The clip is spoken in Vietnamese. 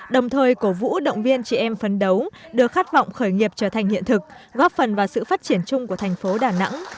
đồng thời cổ vũ động viên chị em phấn đấu đưa khát vọng khởi nghiệp trở thành hiện thực góp phần vào sự phát triển chung của thành phố đà nẵng